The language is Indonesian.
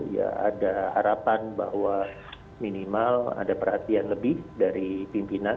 ya ada harapan bahwa minimal ada perhatian lebih dari pimpinan